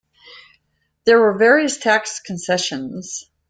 There were various tax concessions.